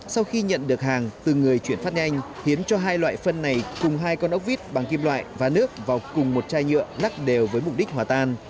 sau khi nhận được hàng từ người chuyển phát nhanh khiến cho hai loại phân này cùng hai con ốc vít bằng kim loại và nước vào cùng một chai nhựa nắc đều với mục đích hòa tan